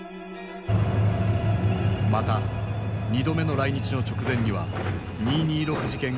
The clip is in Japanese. また２度目の来日の直前には二・二六事件が発生。